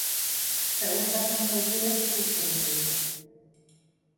Segurtasun neurriek huts egin dute.